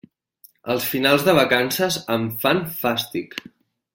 Els finals de vacances em fan fàstic.